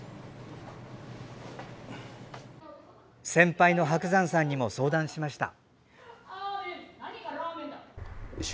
先輩の伯山さんにも相談しました。